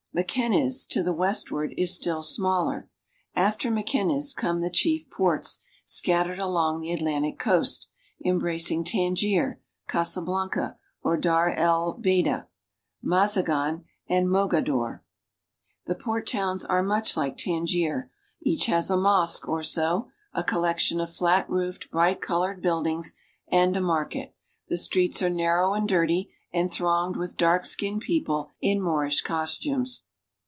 Mekinez (mgk'I nez), to the westward, is still smaller. After Meki nez come the chief ports, scattered along the Atlantic coast, embracing Tangier, Casablanca (ca sa blan'ka) or Dar el Beida (ba'da), Mazagan (ma za gan'), and Mogador (mog a dor'). The port towns are much like Tangier. Each has a mosque or so, a collection of flat roofed, bright colored build ings, and a market. The streets are narrow and dirty, and thronged with dark skinned people in Moorish costumes.